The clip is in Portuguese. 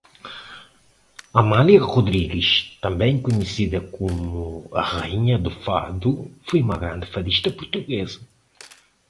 Amália Rodrigues, também conhecida como "a rainha do fado", foi uma grande fadista portuguesa.